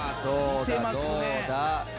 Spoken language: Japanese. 似てますね。